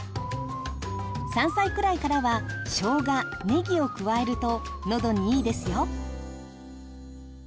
３歳くらいからはしょうがねぎを加えるとのどにいいですよ。